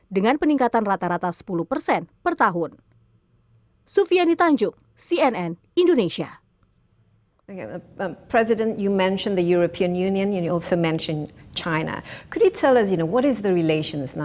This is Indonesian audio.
dan sebelum anda melawat indonesia anda juga melawat china